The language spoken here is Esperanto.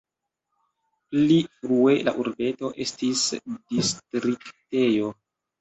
Pli frue la urbeto estis distriktejo.